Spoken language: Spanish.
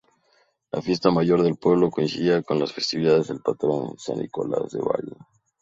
La fiesta mayor del pueblo coincidía con festividad del patrón: San Nicolás de Bari.